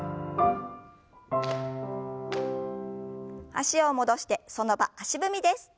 脚を戻してその場足踏みです。